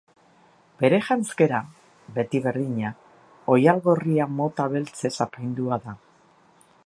Bere janzkera, beti berdina, oihal gorria mota beltzez apaindua da.